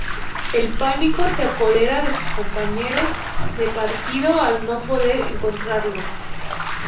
El pánico se apodera de sus compañeros de partido al no poder encontrarlo.